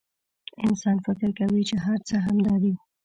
انسان فکر کوي چې هر څه همدا دي.